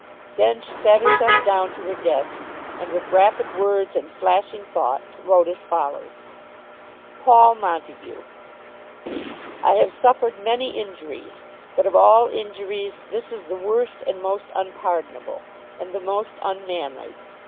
Then she sat herself down to her desk, and with rapid words, and flashing thoughts, wrote as follows: PAUL MONTAGUE, I have suffered many injuries, but of all injuries this is the worst and most unpardonable, and the most unmanly.